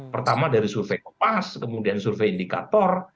pertama dari survei kopas kemudian survei indikator